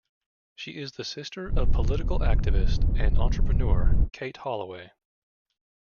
She is the sister of political activist and entrepreneur Kate Holloway.